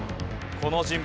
この人物。